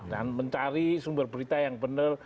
dan mencari sumber berita yang benar